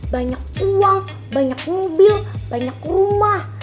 banyak uang banyak mobil banyak rumah